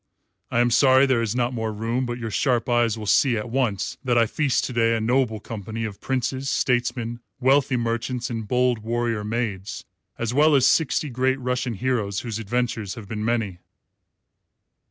I am sorry there is not more room, but your sharp eyes will see at once that I feast to day a noble company of princes, statesmen, wealthy merchants, and bold warrior maids as well as sixty great Russian heroes whose adventures have been many."